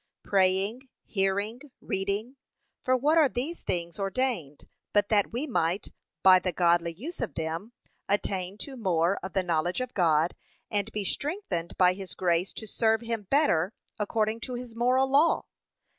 Praying, hearing, reading; for what are these things ordained, but that we might by the godly use of them attain to more of the knowledge of God, and be strengthened by his grace to serve him better according to his moral law?